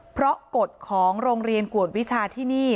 เพราะกฎของโรงเรียนกวดวิชาที่นี่